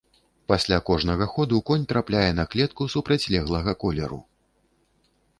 Пасля кожнага ходу конь трапляе на клетку супрацьлеглага колеру.